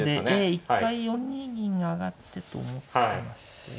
一回４二銀が上がってと思ってまして。